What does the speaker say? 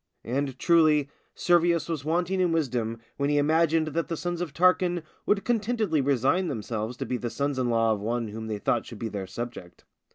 And, truly, Servius was wanting in wisdom when he imagined that the sons of Tarquin would contentedly resign themselves to be the sons in law of one whom they thought should be their subject.